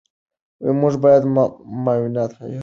موږ باید معنویات هېر نکړو.